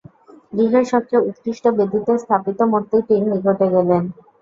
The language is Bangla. গৃহের সব চেয়ে উৎকৃষ্ট বেদীতে স্থাপিত মূর্তিটির নিকট গেলেন।